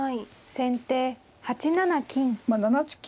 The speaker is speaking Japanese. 先手８七金。